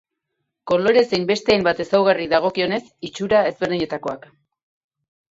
Kolore zein beste hainbat ezaugarri dagokienez itxura ezberdinetakoak.